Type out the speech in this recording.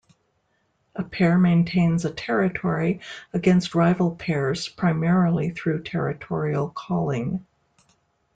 A pair maintains a territory against rival pairs primarily through territorial calling.